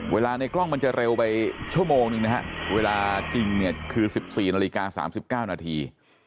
เวลาในกล้องมันจะเร็วไปชั่วโมงนึงเวลาจริงคือ๑๔นาฬิกา๓๙นาที